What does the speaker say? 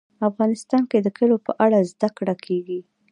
افغانستان کې د کلیو په اړه زده کړه کېږي.